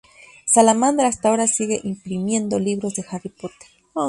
Salamandra hasta ahora sigue imprimiendo libros de Harry Potter.